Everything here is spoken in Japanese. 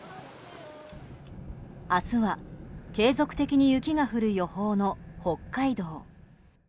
明日は、継続的に雪が降る予報の北海道。